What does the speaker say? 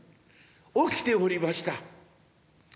起きておりました。